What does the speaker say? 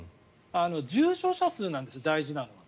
重症者数なんです、大事なのは。